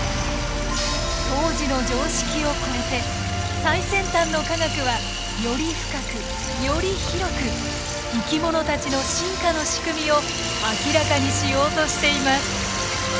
最先端の科学はより深くより広く生き物たちの進化の仕組みを明らかにしようとしています。